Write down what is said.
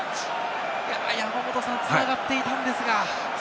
繋がっていたんですが。